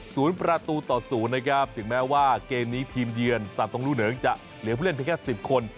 ศูนย์ประตูต่อ๐ถึงแม้ว่าเกมนี้ทีมเยือนสันตงรุเหนิงจะเหลือเพื่อนเพื่อนแค่๑๐คน